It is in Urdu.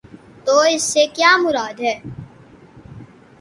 تو اس سے کیا مراد ہے؟